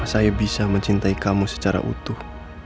saya bisa mencintai kamu secara utuh